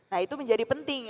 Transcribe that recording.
nah itu menjadi penting